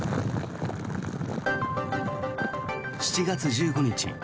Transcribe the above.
７月１５日